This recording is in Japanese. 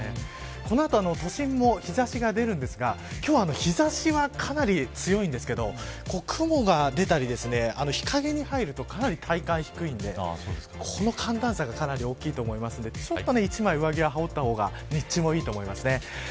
この後、都心も日差しが出るんですが今日は日差しはかなり強いんですけど雲が出たり日陰に入るとかなり体感は低いのでこの寒暖差がかなり大きいと思うのでちょっと１枚、上着を羽織った方がいいと思います。